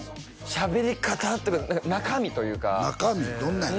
しゃべり方っていうか中身中身どんなんやの？